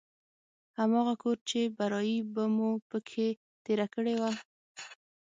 هماغه کور چې برايي به مو په کښې تېره کړې وه.